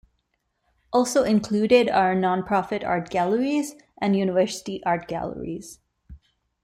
Also included are non-profit art galleries and university art galleries.